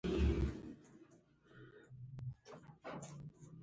خاوره د کرنې بنسټ دی.